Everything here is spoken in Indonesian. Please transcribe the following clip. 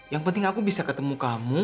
yang penting aku bisa ketemu kamu